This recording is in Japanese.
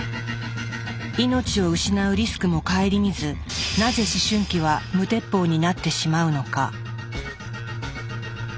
命を失うリスクも顧みずなぜ思春期は無鉄砲になってしまうのか？